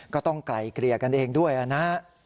ก็ต้องไกลเกลียกันเองด้วยนะ